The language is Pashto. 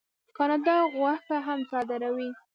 کاناډا غوښه هم صادروي.